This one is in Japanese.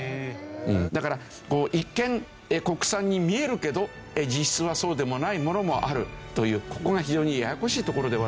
だから一見国産に見えるけど実質はそうでもないものもあるというここが非常にややこしいところではあるんですけど。